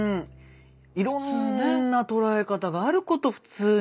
いろんな捉え方があること普通にも。